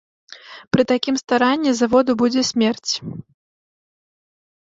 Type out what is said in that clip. Пры такім старанні заводу будзе смерць.